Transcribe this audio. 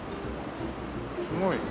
すごいね。